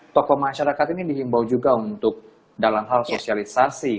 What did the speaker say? tokoh masyarakat ini dihimbau juga untuk dalam hal sosialisasi